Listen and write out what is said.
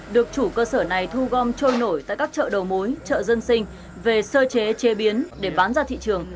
được chủ cơ sở này thu gom trôi nổi tại các chợ đầu mối chợ dân sinh về sơ chế chế biến để bán ra thị trường